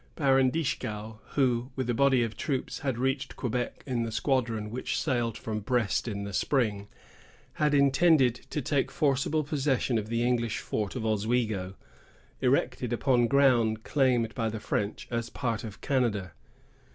Baron Dieskau, who, with a body of troops, had reached Quebec in the squadron which sailed from Brest in the spring, had intended to take forcible possession of the English fort of Oswego, erected upon ground claimed by the French as a part of Canada.